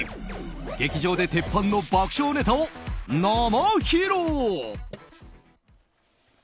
劇場でテッパンの爆笑ネタを生披露！